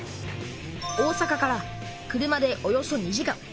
大阪から車でおよそ２時間。